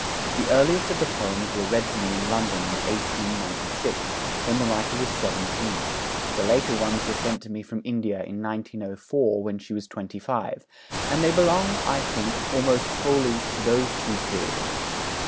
The earliest of the poems were read to me in London in 1896, when the writer was seventeen; the later ones were sent to me from India in 1904, when she was twenty five; and they belong, I think, almost wholly to those two periods.